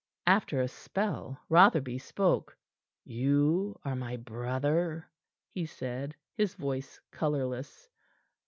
After a spell Rotherby spoke. "You are my brother?" he said, his voice colorless.